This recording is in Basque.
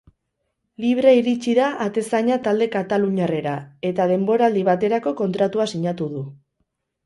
Libre iritsi da atezaina talde kataluniarrera, eta denboraldi baterako kontratua sinatu du.